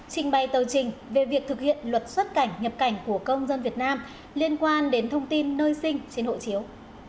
trình bày tờ trình về việc thực hiện luật xuất cảnh nhập cảnh của công dân việt nam liên quan đến thông tin nơi sinh trên hộ chiếu